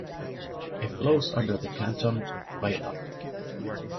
It flows under the Canton Viaduct.